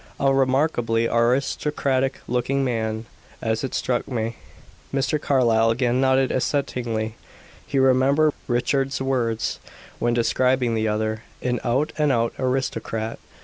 A remarkably aristocratic looking man, as it struck me." Mr. Carlyle again nodded assentingly. He remembered Richard's words, when describing the other: "an out and out aristocrat."